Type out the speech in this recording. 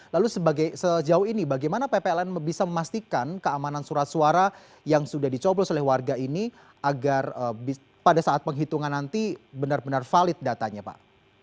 lalu sejauh ini bagaimana ppln bisa memastikan keamanan surat suara yang sudah dicoblos oleh warga ini agar pada saat penghitungan nanti benar benar valid datanya pak